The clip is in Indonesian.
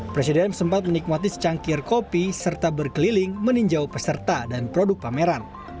presiden sempat menikmati secangkir kopi serta berkeliling meninjau peserta dan produk pameran